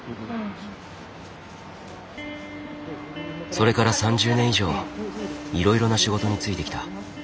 それから３０年以上いろいろな仕事に就いてきた。